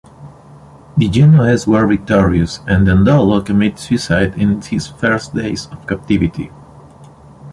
The Genoese were victorious and Dandolo committed suicide in his first days of captivity.